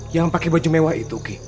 yang pakai baju mewah itu kim